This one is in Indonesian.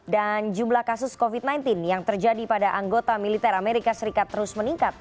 dan jumlah kasus covid sembilan belas yang terjadi pada anggota militer amerika serikat terus meningkat